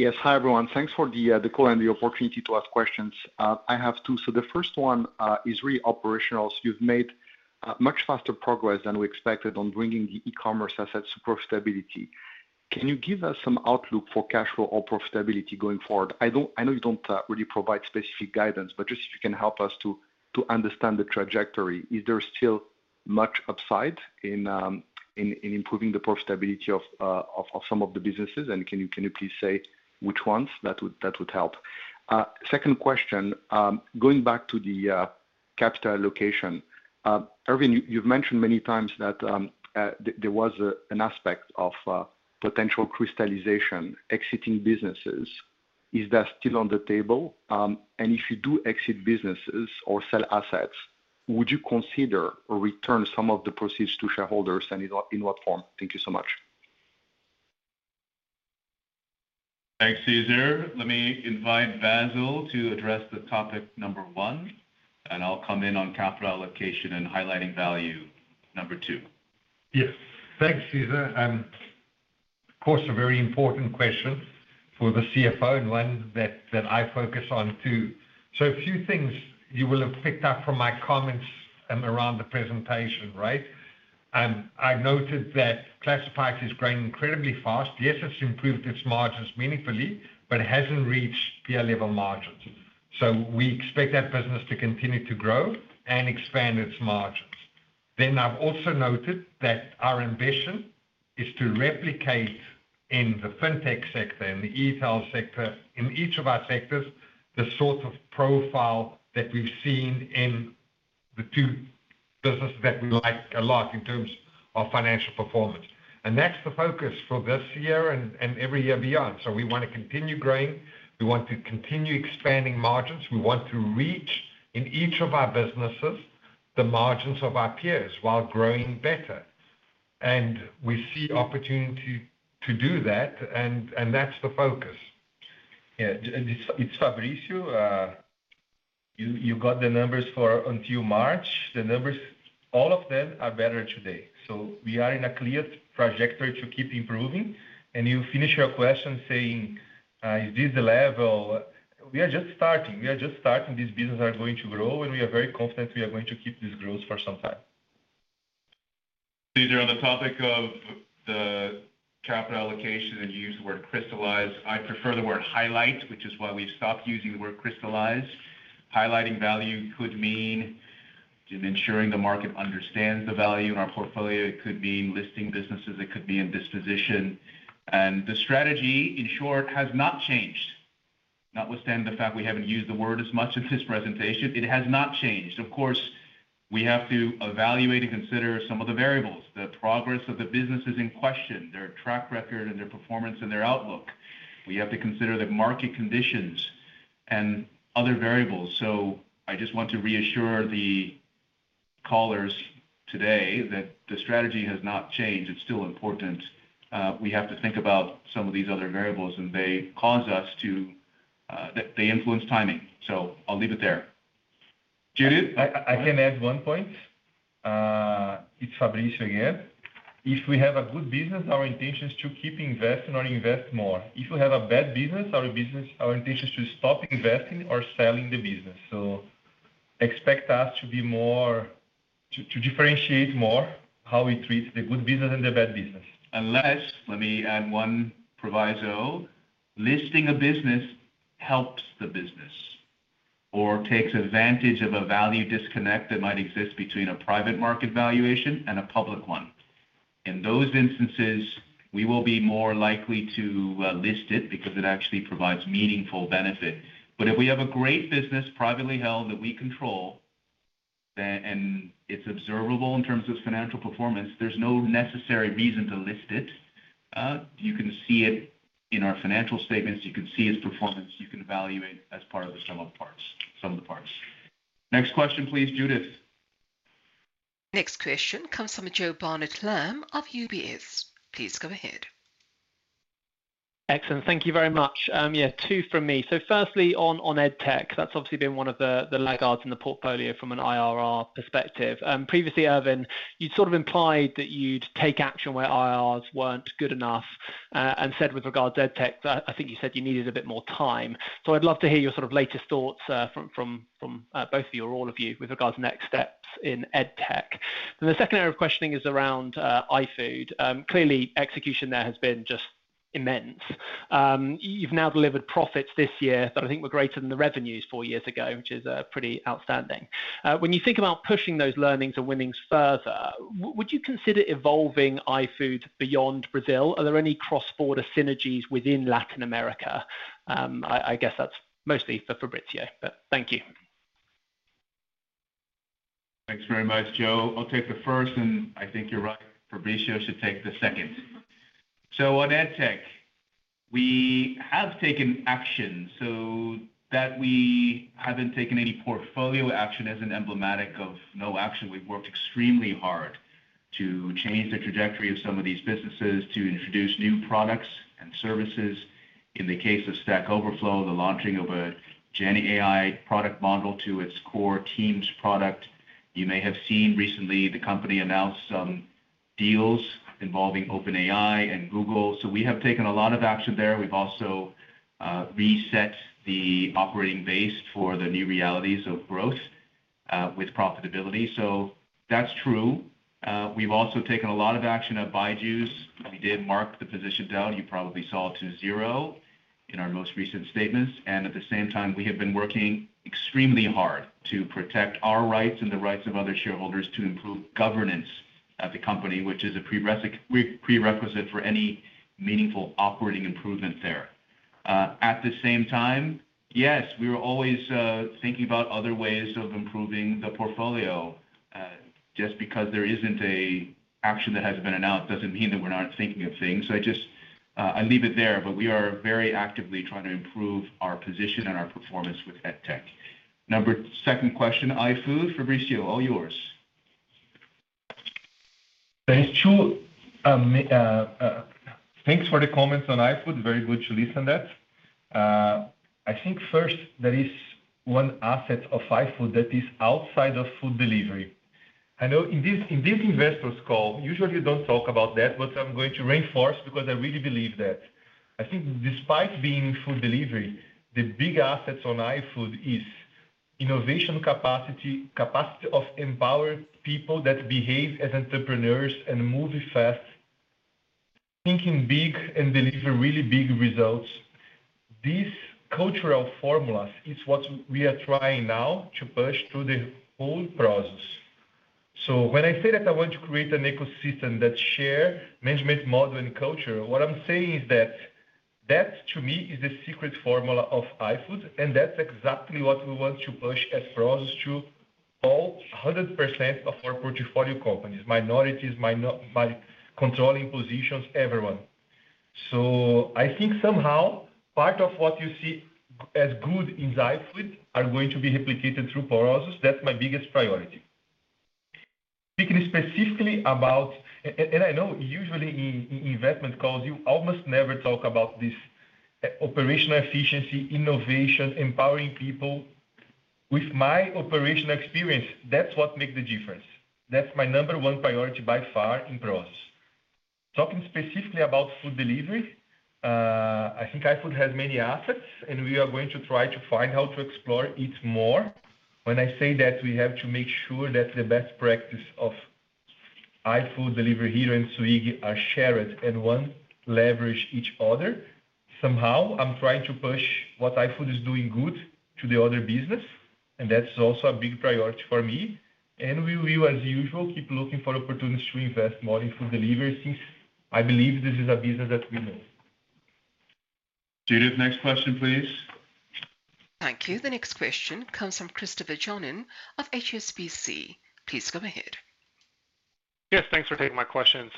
Yes. Hi, everyone. Thanks for the call and the opportunity to ask questions. I have two. So the first one is really operational. So you've made much faster progress than we expected on bringing the e-commerce assets to profitability. Can you give us some outlook for cash flow or profitability going forward? I don't—I know you don't really provide specific guidance, but just if you can help us to understand the trajectory. Is there still much upside in improving the profitability of some of the businesses? And can you please say which ones? That would help. Second question. Going back to the capital allocation. Ervin, you've mentioned many times that there was an aspect of potential crystallization, exiting businesses. Is that still on the table? And if you do exit businesses or sell assets, would you consider or return some of the proceeds to shareholders, and in what, in what form? Thank you so much. Thanks, Cesar. Let me invite Basil to address the topic number one, and I'll come in on capital allocation and highlighting value, number two. Yes. Thanks, Cesar, and of course, a very important question for the CFO and one that I focus on, too. So a few things you will have picked up from my comments around the presentation, right? I noted that Classifieds is growing incredibly fast. Yes, it's improved its margins meaningfully, but it hasn't reached peer level margins. So we expect that business to continue to grow and expand its margins. Then I've also noted that our ambition is to replicate in the FinTech sector and the e-tail sector, in each of our sectors, the sort of profile that we've seen in the two businesses that we like a lot in terms of financial performance. And that's the focus for this year and every year beyond. So we want to continue growing, we want to continue expanding margins, we want to reach, in each of our businesses, the margins of our peers while growing better. And we see opportunity to do that, and that's the focus. Yeah, and it's Fabricio. You got the numbers for until March. The numbers, all of them are better today. So we are in a clear trajectory to keep improving. And you finish your question saying, is this the level? We are just starting. We are just starting. We are very confident we are going to keep this growth for some time. These are on the topic of the capital allocation, and you use the word crystallize. I prefer the word highlight, which is why we've stopped using the word crystallize. Highlighting value could mean ensuring the market understands the value in our portfolio. It could mean listing businesses, it could be in disposition. And the strategy, in short, has not changed. Notwithstanding the fact we haven't used the word as much in this presentation, it has not changed. Of course, we have to evaluate and consider some of the variables, the progress of the businesses in question, their track record and their performance and their outlook. We have to consider the market conditions and other variables. So I just want to reassure the callers today that the strategy has not changed. It's still important. We have to think about some of these other variables, and they cause us to. They, influence timing, so I'll leave it there. Judith? I can add one point. It's Fabricio again. If we have a good business, our intention is to keep investing or invest more. If we have a bad business or a business, our intention is to stop investing or selling the business. So expect us to be more... to differentiate more, how we treat the good business and the bad business. Unless, let me add one proviso. Listing a business helps the business or takes advantage of a value disconnect that might exist between a private market valuation and a public one. In those instances, we will be more likely to list it because it actually provides meaningful benefit. But if we have a great business, privately held, that we control, then - and it's observable in terms of financial performance, there's no necessary reason to list it. You can see it in our financial statements. You can see its performance, you can evaluate as part of the sum of parts, sum of the parts. Next question, please, Judith. Next question comes from Joe Barnett-Lamb of UBS. Please go ahead. Excellent. Thank you very much. Yeah, two from me. So firstly, on EdTech, that's obviously been one of the laggards in the portfolio from an IRR perspective. Previously, Ervin, you'd sort of implied that you'd take action where IRRs weren't good enough, and said with regard to EdTech, that I think you said you needed a bit more time. So I'd love to hear your sort of latest thoughts, from both of you or all of you with regards to next steps in EdTech. Then the second area of questioning is around iFood. Clearly, execution there has been just immense. You've now delivered profits this year that I think were greater than the revenues four years ago, which is pretty outstanding. When you think about pushing those learnings and winnings further, would you consider evolving iFood beyond Brazil? Are there any cross-border synergies within Latin America? I guess that's mostly for Fabricio, but thank you. Thanks very much, Joe. I'll take the first, and I think you're right, Fabricio should take the second. So on EdTech, we have taken action, so that we haven't taken any portfolio action as an emblematic of no action. We've worked extremely hard to change the trajectory of some of these businesses to introduce new products and services. In the case of Stack Overflow, the launching of a GenAI product model to its core teams product. You may have seen recently, the company announce some deals involving OpenAI and Google. So we have taken a lot of action there. We've also reset the operating base for the new realities of growth with profitability. So that's true. We've also taken a lot of action at Byju's. We did mark the position down, you probably saw, to zero in our most recent statements, and at the same time, we have been working extremely hard to protect our rights and the rights of other shareholders to improve governance at the company, which is a prerequisite for any meaningful operating improvement there. At the same time, yes, we were always thinking about other ways of improving the portfolio. Just because there isn't an action that has been announced, doesn't mean that we're not thinking of things. So I just, I'll leave it there, but we are very actively trying to improve our position and our performance with EdTech. Second question, iFood. Fabricio, all yours. Thanks, Joe. Thanks for the comments on iFood. Very good to listen that. I think first, there is one asset of iFood that is outside of food delivery. I know in this investors call, usually we don't talk about that, but I'm going to reinforce because I really believe that. I think despite being food delivery, the big assets on iFood is innovation capacity, capacity of empowered people that behave as entrepreneurs and move fast, thinking big, and deliver really big results. This cultural formulas is what we are trying now to push through the whole process. So when I say that I want to create an ecosystem that share management model and culture, what I'm saying is that, to me, is the secret formula of iFood, and that's exactly what we want to push across to all 100% of our portfolio companies, minorities, my controlling positions, everyone. So I think somehow, part of what you see as good in iFood are going to be replicated through Prosus. That's my biggest priority. Speaking specifically about... and I know usually in investment calls, you almost never talk about this, operational efficiency, innovation, empowering people. With my operational experience, that's what makes the difference. That's my number one priority by far in Prosus. Talking specifically about food delivery, I think iFood has many assets, and we are going to try to find how to explore each more. When I say that, we have to make sure that the best practice of iFood, Delivery Hero, and Swiggy are shared, and one leverage each other. Somehow, I'm trying to push what iFood is doing good to the other business, and that's also a big priority for me. We will, as usual, keep looking for opportunities to invest more in food delivery, since I believe this is a business that we know. Judith, next question, please. Thank you. The next question comes from Christopher Johnen of HSBC. Please go ahead. Yes, thanks for taking my questions.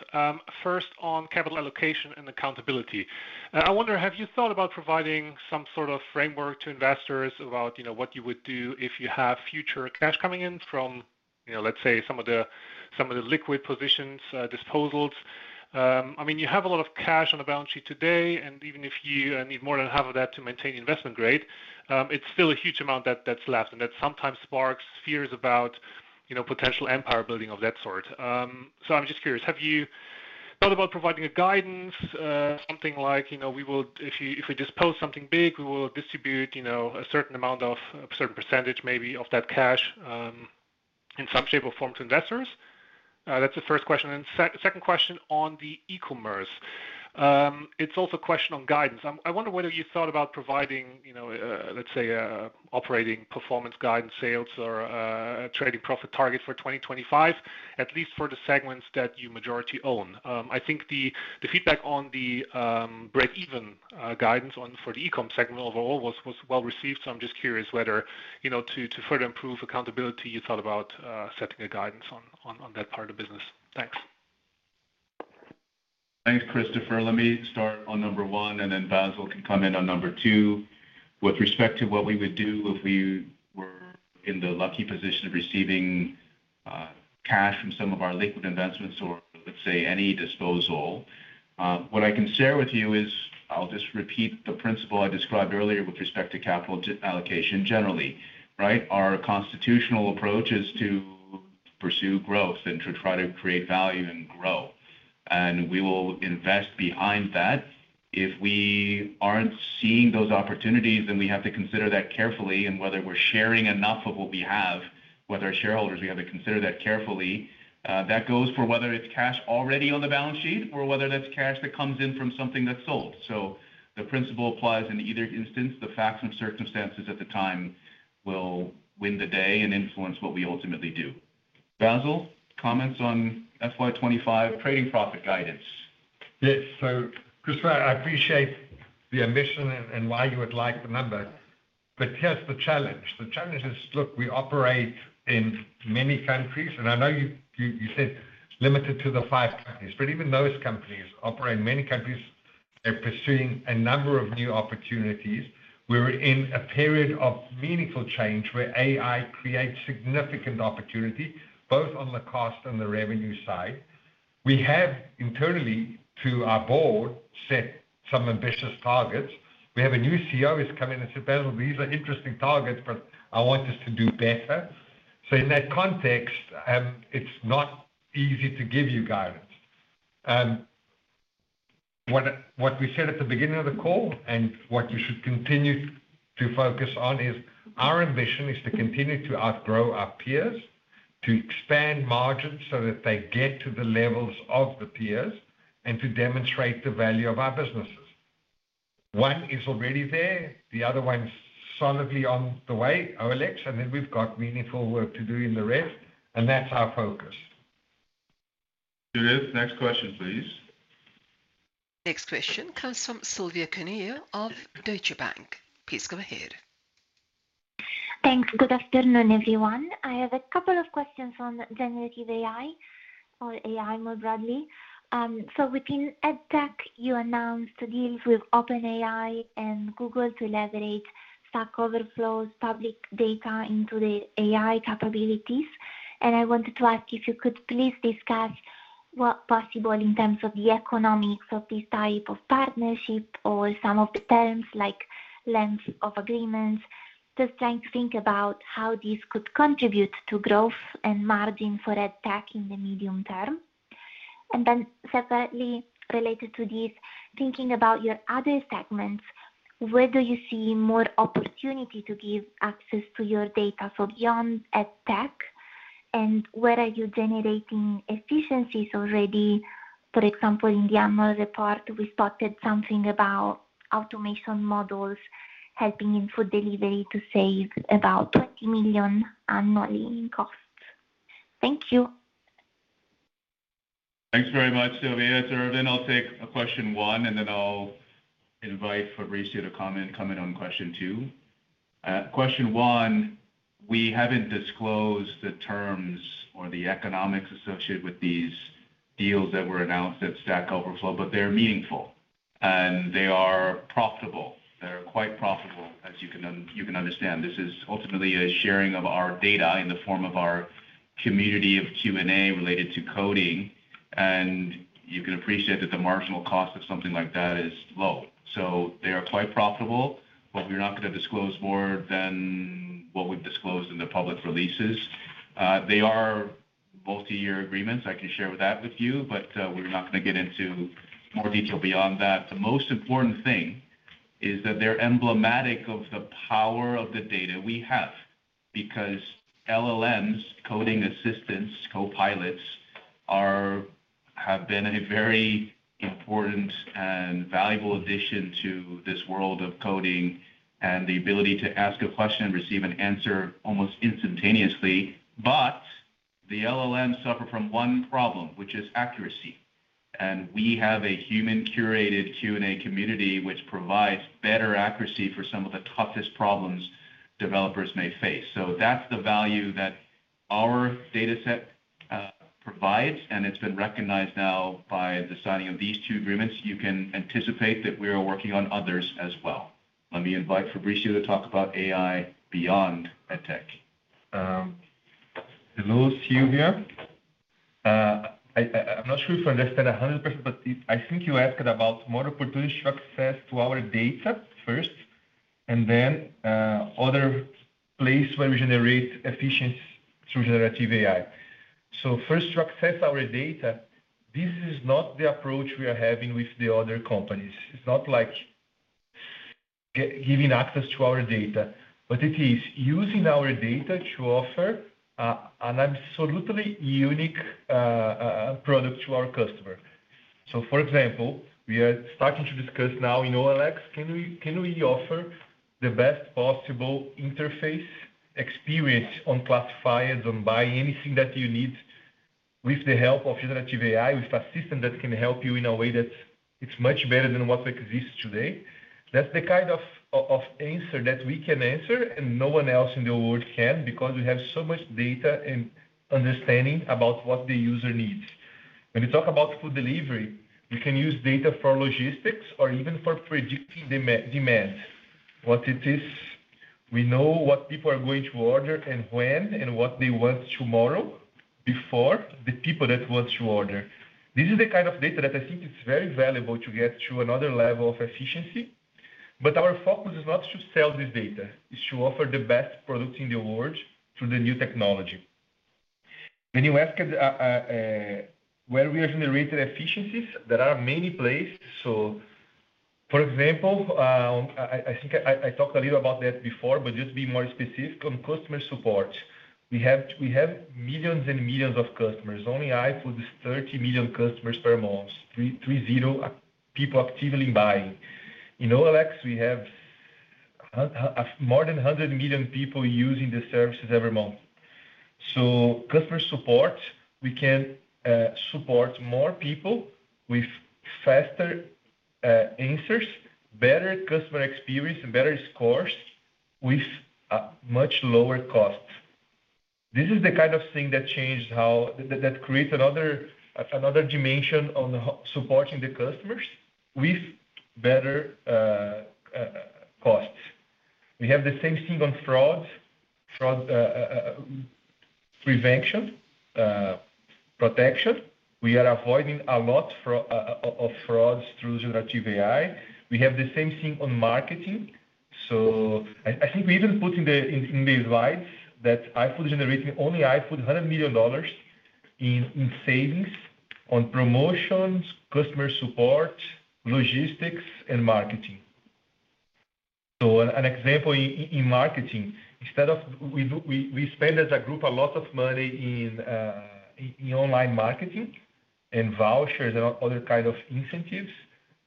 First, on capital allocation and accountability, I wonder, have you thought about providing some sort of framework to investors about, you know, what you would do if you have future cash coming in from, you know, let's say, some of the, some of the liquid positions, disposals? I mean, you have a lot of cash on the balance sheet today, and even if you, need more than half of that to maintain investment grade, it's still a huge amount that's left, and that sometimes sparks fears about, you know, potential empire building of that sort. So, I'm just curious, have you thought about providing a guidance, something like, you know, we will—if we dispose something big, we will distribute, you know, a certain amount of, a certain percentage, maybe, of that cash, in some shape or form to investors? That's the first question. And second question on the e-commerce. It's also a question on guidance. I wonder whether you thought about providing, you know, let's say, operating performance guidance, sales, or, trading profit target for 2025, at least for the segments that you majority own. I think the feedback on the breakeven guidance on for the e-com segment overall was well received. So I'm just curious whether, you know, to further improve accountability, you thought about setting a guidance on that part of the business. Thanks. Thanks, Christopher. Let me start on number one, and then Basil can comment on number two. With respect to what we would do if we were in the lucky position of receiving, cash from some of our liquid investments or, let's say, any disposal. What I can share with you is, I'll just repeat the principle I described earlier with respect to capital allocation generally, right? Our constitutional approach is to pursue growth and to try to create value and grow, and we will invest behind that. If we aren't seeing those opportunities, then we have to consider that carefully and whether we're sharing enough of what we have with our shareholders. We have to consider that carefully. That goes for whether it's cash already on the balance sheet or whether that's cash that comes in from something that's sold. So the principle applies in either instance. The facts and circumstances at the time will win the day and influence what we ultimately do. Basil, comments on FY 25 trading profit guidance. Yes. So, Christopher, I appreciate the ambition and why you would like the number, but here's the challenge. The challenge is, look, we operate in many countries, and I know you said limited to the five countries, but even those countries operate in many countries. They're pursuing a number of new opportunities. We're in a period of meaningful change where AI creates significant opportunity, both on the cost and the revenue side. We have internally, to our board, set some ambitious targets. We have a new CEO who's come in and said, "Basil, these are interesting targets, but I want us to do better." So in that context, it's not easy to give you guidance. What we said at the beginning of the call, and what you should continue to focus on, is our ambition is to continue to outgrow our peers, to expand margins so that they get to the levels of the peers, and to demonstrate the value of our businesses. One is already there, the other one's solidly on the way, OLX, and then we've got meaningful work to do in the rest, and that's our focus. Next question, please. Next question comes from Silvia Cuneo of Deutsche Bank. Please go ahead. Thanks. Good afternoon, everyone. I have a couple of questions on generative AI or AI, more broadly. So within EdTech, you announced deals with OpenAI and Google to leverage Stack Overflow's public data into the AI capabilities, and I wanted to ask if you could please discuss what possible in terms of the economics of this type of partnership or some of the terms like length of agreements. Just trying to think about how this could contribute to growth and margin for EdTech in the medium term. And then separately, related to this, thinking about your other segments, where do you see more opportunity to give access to your data so beyond EdTech, and where are you generating efficiencies already? For example, in the annual report, we spotted something about automation models helping in food delivery to save about $20 million annually in costs. Thank you. Thanks very much, Silvia. So then I'll take question one, and then I'll invite Fabricio to comment on question two. Question one, we haven't disclosed the terms or the economics associated with these deals that were announced at Stack Overflow, but they're meaningful and they are profitable. They're quite profitable, as you can understand. This is ultimately a sharing of our data in the form of our community of Q&A related to coding, and you can appreciate that the marginal cost of something like that is low. So they are quite profitable, but we're not gonna disclose more than what we've disclosed in the public releases. They are multi-year agreements. I can share that with you, but we're not gonna get into more detail beyond that. The most important thing is that they're emblematic of the power of the data we have, because LLMs, coding assistants, copilots have been a very important and valuable addition to this world of coding and the ability to ask a question and receive an answer almost instantaneously. But the LLM suffer from one problem, which is accuracy, and we have a human-curated Q&A community, which provides better accuracy for some of the toughest problems developers may face. So that's the value that our data set provides, and it's been recognized now by the signing of these two agreements. You can anticipate that we are working on others as well. Let me invite Fabricio to talk about AI beyond EdTech. Hello to you here. I'm not sure if I understand 100%, but I think you asked about more opportunity to access to our data first, and then, other place where we generate efficiency through generative AI. So first, to access our data, this is not the approach we are having with the other companies. It's not like giving access to our data, but it is using our data to offer, an absolutely unique, product to our customer. So, for example, we are starting to discuss now in OLX, can we offer the best possible interface experience on classifieds, on buying anything that you need with the help of generative AI, with a system that can help you in a way that it's much better than what exists today? That's the kind of answer that we can answer, and no one else in the world can, because we have so much data and understanding about what the user needs. When you talk about food delivery, you can use data for logistics or even for predicting demand. What it is, we know what people are going to order and when, and what they want tomorrow, before the people that want to order. This is the kind of data that I think is very valuable to get to another level of efficiency. But our focus is not to sell this data. It's to offer the best product in the world through the new technology. When you ask where we are generating efficiencies, there are many places. So, for example, I think I talked a little about that before, but just to be more specific, on customer support. We have millions and millions of customers. Only iFood is 30 million customers per month, 30 million people actively buying. In OLX, we have more than 100 million people using the services every month. So customer support, we can support more people with faster answers, better customer experience and better scores, with a much lower cost. This is the kind of thing that changed how... That creates another dimension on supporting the customers with better costs. We have the same thing on fraud. Fraud prevention, protection. We are avoiding a lot of frauds through generative AI. We have the same thing on marketing. So I think we even put in the slides that iFood generating only iFood $100 million in savings on promotions, customer support, logistics, and marketing. So an example in marketing, instead of we spend as a group a lot of money in online marketing and vouchers and other kind of incentives.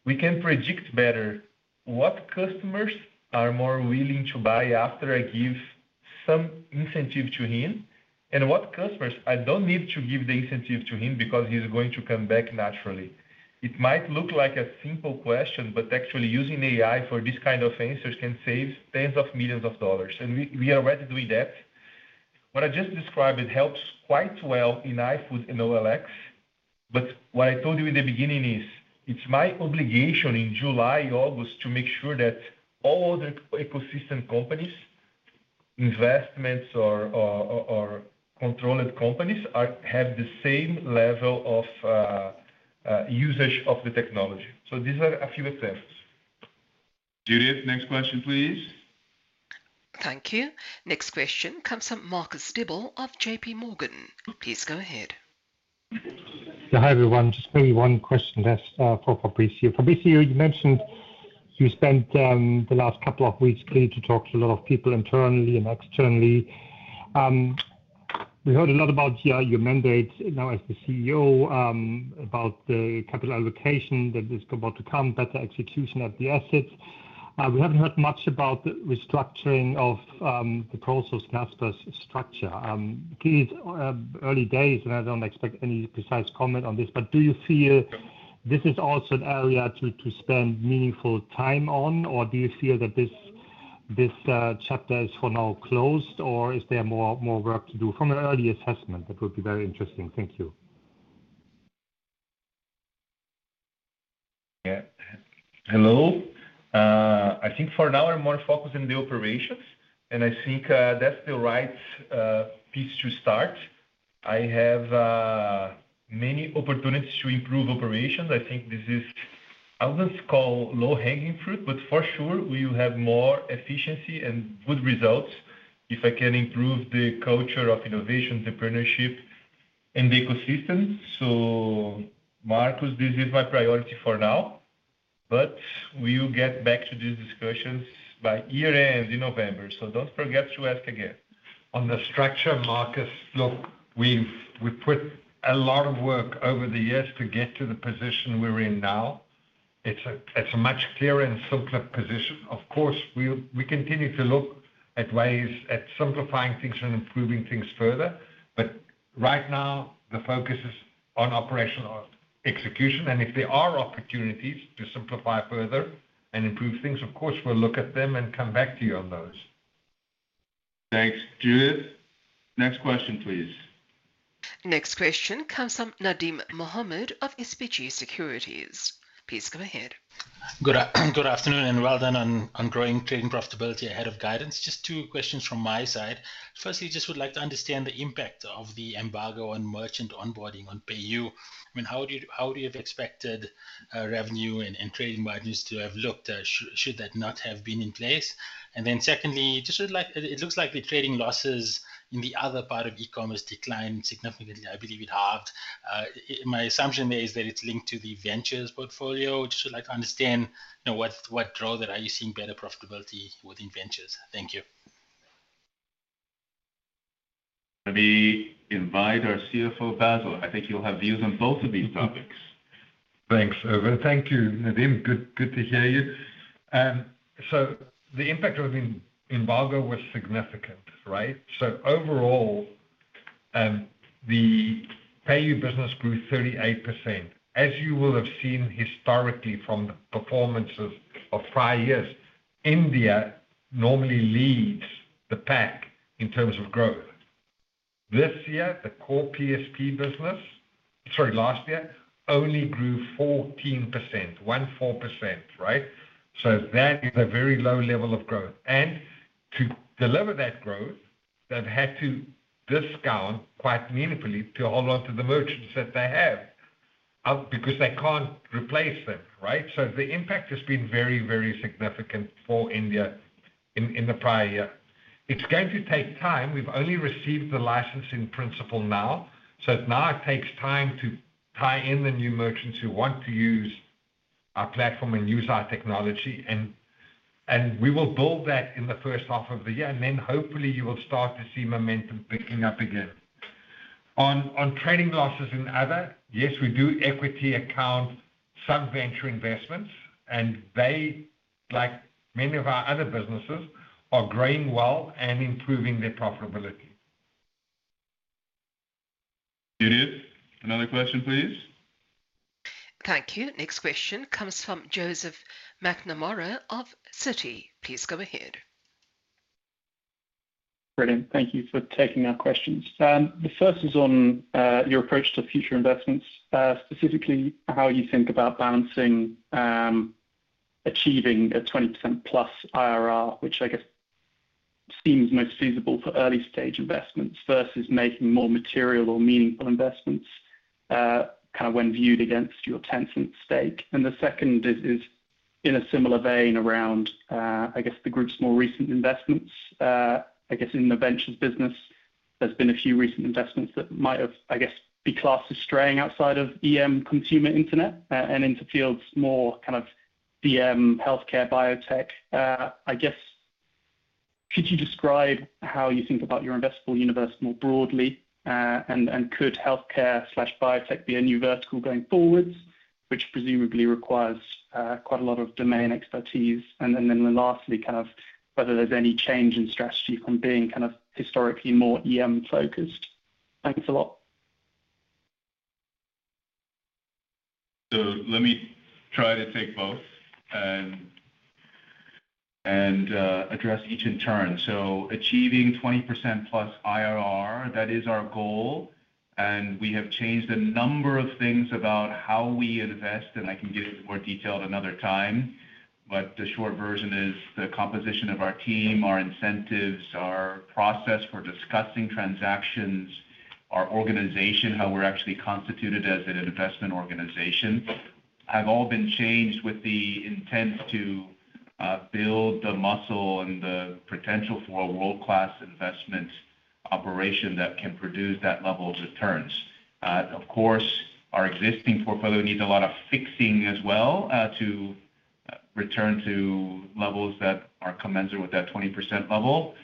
We can predict better what customers are more willing to buy after I give some incentive to him, and what customers I don't need to give the incentive to him because he's going to come back naturally. It might look like a simple question, but actually using AI for this kind of answers can save 10 of millions of dollars, and we are already doing that. What I just described, it helps quite well in iFood and OLX, but what I told you in the beginning is: it's my obligation in July, August, to make sure that all the ecosystem companies, investments or controlled companies have the same level of usage of the technology. So these are a few examples. Judith, next question, please. Thank you. Next question comes from Marcus Diebel of J.P. Morgan. Please go ahead. Yeah, hi, everyone. Just maybe one question that's for Fabricio. Fabricio, you mentioned you spent the last couple of weeks clearly talking to a lot of people internally and externally. We heard a lot about your mandate now as the CEO, about the capital allocation that is about to come, better execution of the assets. We haven't heard much about the restructuring of the Prosus Naspers structure. Please, early days, and I don't expect any precise comment on this, but do you feel this is also an area to spend meaningful time on? Or do you feel that this chapter is for now closed, or is there more work to do from an early assessment? That would be very interesting. Thank you. Yeah. Hello. I think for now I'm more focused on the operations, and I think that's the right piece to start. I have many opportunities to improve operations. I think this is, I wouldn't call low-hanging fruit, but for sure we will have more efficiency and good results if I can improve the culture of innovation, entrepreneurship, and the ecosystem. So Marcus, this is my priority for now, but we will get back to these discussions by year end in November. So don't forget to ask again. On the structure, Marcus, look, we've, put a lot of work over the years to get to the position we're in now. It's a, it's a much clearer and simpler position. Of course, we'll, we continue to look at ways at simplifying things and improving things further, but right now the focus is on operational execution, and if there are opportunities to simplify further and improve things, of course, we'll look at them and come back to you on those. Thanks, Judith. Next question, please. Next question comes from Nadim Mohamed of SBG Securities. Please go ahead. Good afternoon, and well done on growing trading profitability ahead of guidance. Just two questions from my side. Firstly, just would like to understand the impact of the embargo on merchant onboarding on PayU. I mean, how would you, how would you have expected revenue and trading margins to have looked, should that not have been in place? And then secondly, just would like... It looks like the trading losses in the other part of e-commerce declined significantly. I believe it halved. My assumption there is that it's linked to the ventures portfolio. Just would like to understand, you know, what growth that are you seeing better profitability within ventures? Thank you. Let me invite our CFO, Basil. I think he'll have views on both of these topics. Thanks, Ervin. Thank you, Nadim. Good, good to hear you. So the impact of the embargo was significant, right? So overall, the pay business grew 38%. As you will have seen historically from the performances of prior years, India normally leads the pack in terms of growth. This year, the core PSP business, sorry, last year, only grew 14%. 14%, right? So that is a very low level of growth, and to deliver that growth, they've had to discount quite meaningfully to hold on to the merchants that they have, because they can't replace them, right? So the impact has been very, very significant for India in the prior year. It's going to take time. We've only received the license in principle now, so it now takes time to tie in the new merchants who want to use our platform and use our technology and we will build that in the first half of the year, and then hopefully you will start to see momentum picking up again. On trading losses and other, yes, we do equity account some venture investments, and they, like many of our other businesses, are growing well and improving their profitability. Judith, another question, please. Thank you. Next question comes from Joseph McNamara of Citi. Please go ahead. Brilliant. Thank you for taking our questions. The first is on your approach to future investments, specifically how you think about balancing achieving a 20%+ IRR, which I guess seems most feasible for early stage investments versus making more material or meaningful investments, kind of when viewed against your Tencent stake. And the second is in a similar vein around, I guess, the group's more recent investments. I guess in the ventures business, there's been a few recent investments that might have, I guess, be classed as straying outside of EM consumer internet, and into fields more kind of DM, healthcare, biotech. I guess, could you describe how you think about your investable universe more broadly? And, and could healthcare/biotech be a new vertical going forward, which presumably requires quite a lot of domain expertise? And then lastly, kind of whether there's any change in strategy from being kind of historically more EM focused? Thanks a lot. So let me try to take both and, and, address each in turn. So achieving 20%+ IRR, that is our goal, and we have changed a number of things about how we invest, and I can give more detail another time. But the short version is the composition of our team, our incentives, our process for discussing transactions, our organization, how we're actually constituted as an investment organization, have all been changed with the intent to, build the muscle and the potential for a world-class investment operation that can produce that level of returns. Of course, our existing portfolio needs a lot of fixing as well, to return to levels that are commensurate with that 20% level.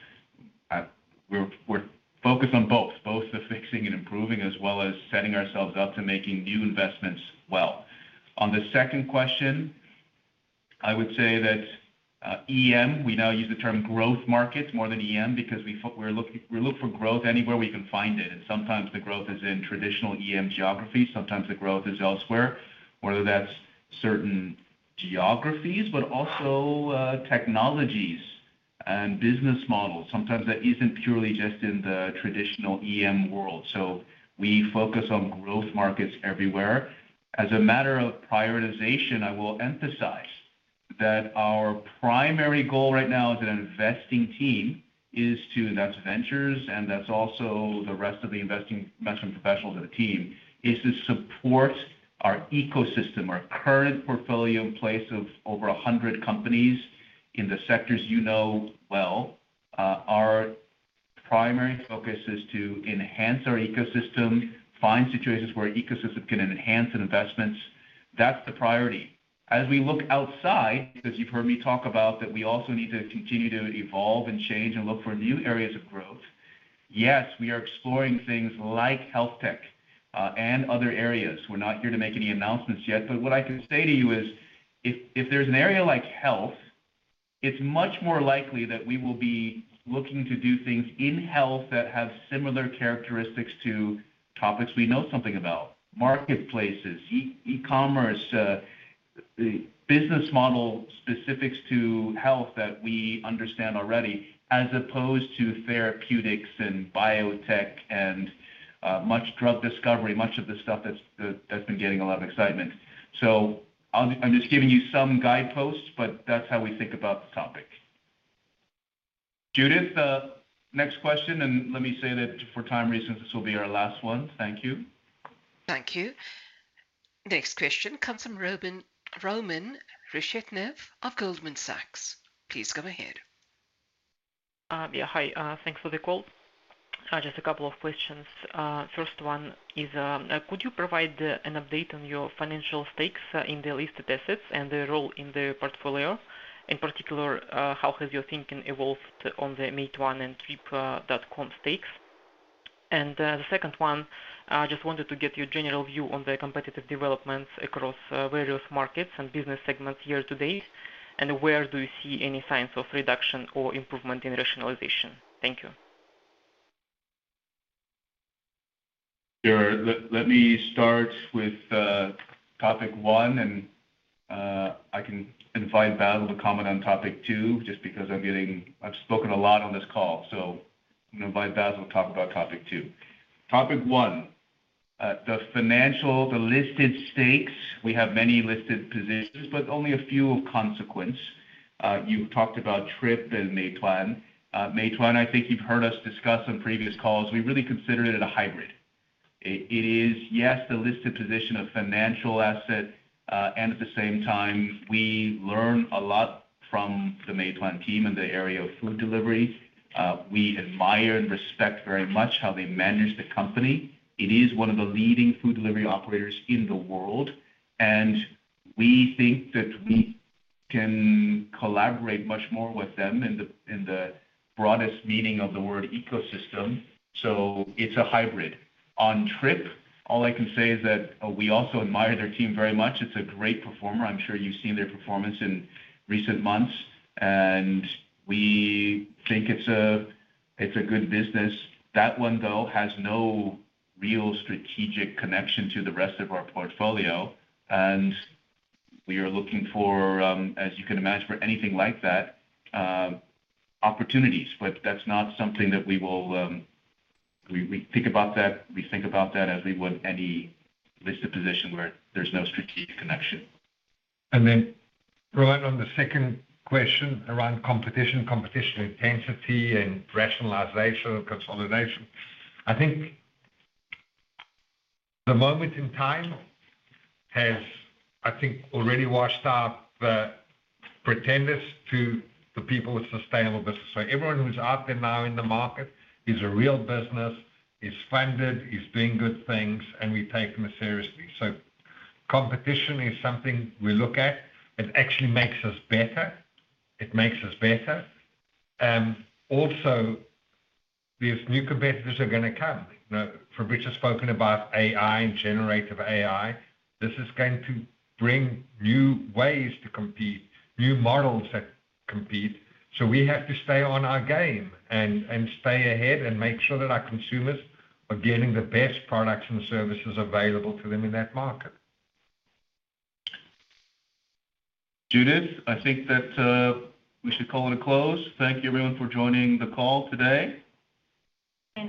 We're, we're focused on both, both the fixing and improving, as well as setting ourselves up to making new investments well. On the second question, I would say that, EM, we now use the term growth markets more than EM because we're looking-we look for growth anywhere we can find it, and sometimes the growth is in traditional EM geographies, sometimes the growth is elsewhere, whether that's certain geographies, but also, technologies and business models. Sometimes that isn't purely just in the traditional EM world, so we focus on growth markets everywhere. As a matter of prioritization, I will emphasize that our primary goal right now as an investing team is to, and that's ventures, and that's also the rest of the investing, investment professionals on the team, is to support our ecosystem, our current portfolio in place of over 100 companies in the sectors you know well. Our primary focus is to enhance our ecosystem, find situations where ecosystem can enhance investments. That's the priority. As we look outside, because you've heard me talk about that we also need to continue to evolve and change and look for new areas of growth. Yes, we are exploring things like health tech, and other areas. We're not here to make any announcements yet, but what I can say to you is if there's an area like health, it's much more likely that we will be looking to do things in health that have similar characteristics to topics we know something about. Marketplaces, e-commerce, business model specifics to health that we understand already, as opposed to therapeutics and biotech and, much drug discovery, much of the stuff that's been getting a lot of excitement. So I'm just giving you some guideposts, but that's how we think about the topic. Judith, next question, and let me say that for time reasons, this will be our last one. Thank you. Thank you. Next question comes from Rohan Ruston of Goldman Sachs. Please go ahead. Yeah. Hi, thanks for the call. Just a couple of questions. First one is, could you provide an update on your financial stakes in the listed assets and the role in the portfolio? In particular, how has your thinking evolved on the Meituan and Trip.com stakes? And, the second one, I just wanted to get your general view on the competitive developments across, various markets and business segments year-to-date, and where do you see any signs of reduction or improvement in rationalization? Thank you. Sure. Let me start with topic one, and I can invite Basil to comment on topic two, just because I'm getting. I've spoken a lot on this call, so I'm gonna invite Basil to talk about topic two. Topic one, the financial, the listed stakes, we have many listed positions, but only a few of consequence. You've talked about Trip and Meituan. Meituan, I think you've heard us discuss on previous calls. We really consider it a hybrid. It is, yes, the listed position of financial asset, and at the same time, we learn a lot from the Meituan team in the area of food delivery. We admire and respect very much how they manage the company. It is one of the leading food delivery operators in the world, and we think that we can collaborate much more with them in the broadest meaning of the word ecosystem, so it's a hybrid. On Trip, all I can say is that we also admire their team very much. It's a great performer. I'm sure you've seen their performance in recent months, and we think it's a good business. That one, though, has no real strategic connection to the rest of our portfolio, and we are looking for, as you can imagine, for anything like that, opportunities. But that's not something that we will... We think about that as we would any listed position where there's no strategic connection. Then, Rohan, on the second question, around competition, competition intensity and rationalization and consolidation. I think the moment in time has, I think, already washed out the pretenders to the people with sustainable business. So everyone who's out there now in the market is a real business, is funded, is doing good things, and we take them seriously. So competition is something we look at. It actually makes us better. It makes us better. Also, these new competitors are gonna come. You know, for which I've spoken about AI and generative AI, this is going to bring new ways to compete, new models that compete. So we have to stay on our game and stay ahead and make sure that our consumers are getting the best products and services available to them in that market. Judith, I think that, we should call it a close. Thank you everyone for joining the call today.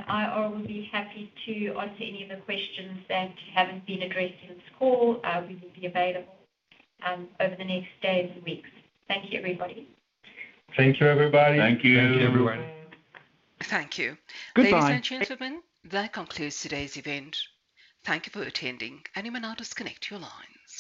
I will be happy to answer any of the questions that haven't been addressed in this call. We will be available over the next days and weeks. Thank you, everybody. Thank you, everybody. Thank you. Thank you, everyone. Thank you. Goodbye. Ladies and gentlemen, that concludes today's event. Thank you for attending. You may now disconnect your lines.